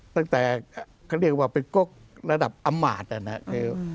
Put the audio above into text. ตั้งแต่เขาเรียกว่าเป็นกลุ่มระดับอำมาตย์อันนั้นฮะคือ